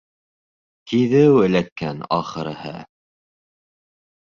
— Киҙеү эләккән, ахырыһы.